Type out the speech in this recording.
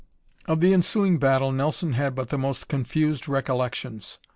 Of the ensuing battle, Nelson had but the most confused recollections.